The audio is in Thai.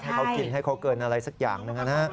ให้เขากินให้เขาเกินอะไรสักอย่างหนึ่งนะฮะ